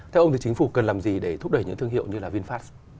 theo ông thì chính phủ cần làm gì để thúc đẩy những thương hiệu như là vinfast